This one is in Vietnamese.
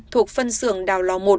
thuộc phân xưởng đào lò một